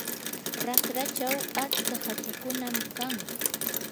raqrachaw atska hachakunam kan.